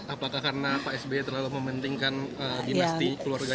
apakah karena pak sby terlalu mementingkan dimasti keluarganya